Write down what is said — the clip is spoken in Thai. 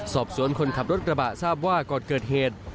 คนขับรถกระบะทราบว่าก่อนเกิดเหตุ